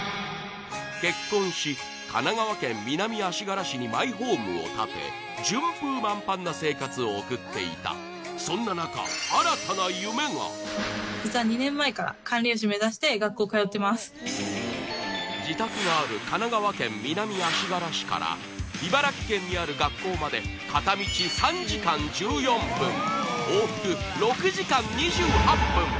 結婚し神奈川県南足柄市にマイホームを建て順風満帆な生活を送っていたそんななか新たな夢が自宅がある神奈川県南足柄市から茨城県にある学校まで片道３時間１４分往復６時間２８分